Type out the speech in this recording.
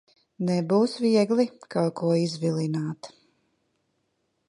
Nebūs viegli kaut ko izvilināt.